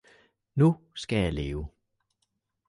Nu skal jeg leve!